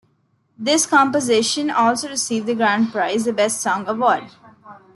This composition also received the grand prize, the Best Song award.